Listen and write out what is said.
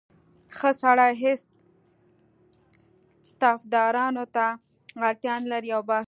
ښه سړی هېڅ طفدارانو ته اړتیا نه لري او بس.